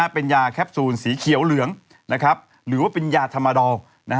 เป็นยาแคปซูลสีเขียวเหลืองหรือว่าเป็นยาธรรมดอล